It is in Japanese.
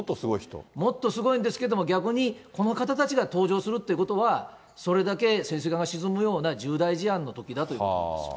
もっとすごいんですけれども、逆に、この方たちが登場するということは、それだけ潜水艦が沈むような、重大事案のときだということです。